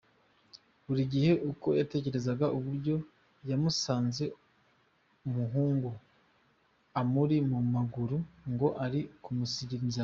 Buri gihe uko yatekerezaga uburyo yamusanze umuhungu amuri mu maguru ngo ari kumusigira inzara.